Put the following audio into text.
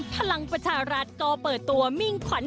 พลังประชารัฐก็เปิดตัวมิ่งขวัญ